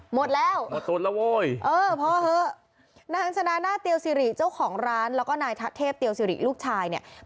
หมดแล้วพอเหอะนางศนาหน้าเตียวสิริเจ้าของร้านแล้วก็นายเทพเตียวสิริลูกชายเนี่ย